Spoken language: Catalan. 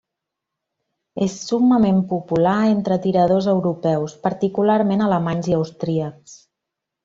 És summament popular entre tiradors europeus, particularment alemanys i austríacs.